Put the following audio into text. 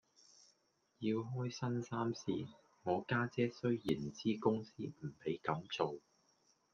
要開新衫試，我家姐雖然知公司唔俾咁做，